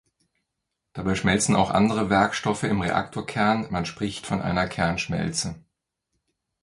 Dabei schmelzen auch andere Werkstoffe im Reaktorkern, man spricht von einer Kernschmelze.